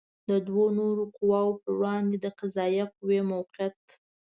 د دوو نورو قواوو پر وړاندې د قضائیه قوې موقعیت